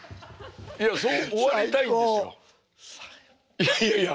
いやいやいや。